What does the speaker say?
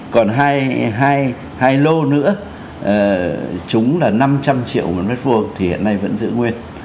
còn hai lô nữa chúng là năm trăm triệu một mét vuông thì hiện nay vẫn giữ nguyên